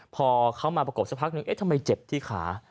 พอเขามาประกบสักพักนึงเอ๊ะทำไมเจ็บที่ขา